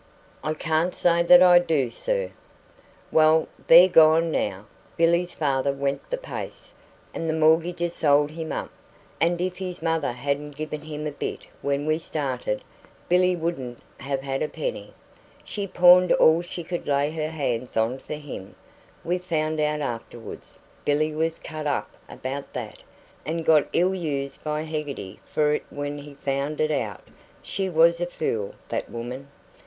"I can't say that I do, sir." "Well, they're gone now. Billy's father went the pace, and the mortgagees sold him up; and if his mother hadn't given him a bit when we started, Billy wouldn't have had a penny. She pawned all she could lay her hands on for him, we found out afterwards Billy was cut up about that and got ill used by Heggarty for it when he found it out. She was a fool, that woman.